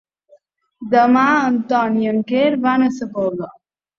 Demà en Ton i en Quer van a Sa Pobla.